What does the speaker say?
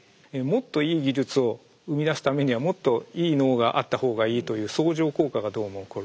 もっといい技術を生み出すためにはもっといい脳があったほうがいいという相乗効果がどうも起こる。